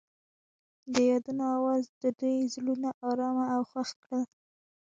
د یادونه اواز د دوی زړونه ارامه او خوښ کړل.